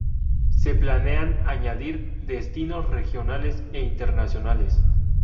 Se planean añadir destinos regionales e internacionales.